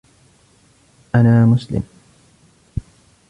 أنا مسلم